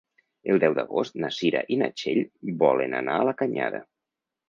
El deu d'agost na Cira i na Txell volen anar a la Canyada.